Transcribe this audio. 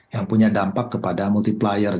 yang punya dampak kepada multiplier